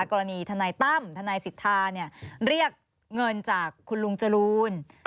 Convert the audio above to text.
กรณีทนายตั้มทนายสิทธาเรียกเงินจากคุณลุงจรูน